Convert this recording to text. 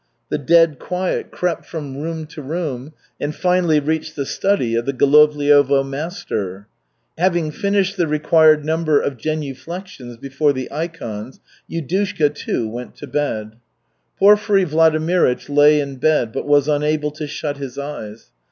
The dead quiet crept from room to room and finally reached the study of the Golovliovo master. Having finished the required number of genuflexions before the ikons, Yudushka, too, went to bed. Porfiry Vladimirych lay in bed, but was unable to shut his eyes.